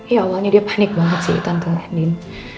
iya awalnya dia panik banget sih tante landin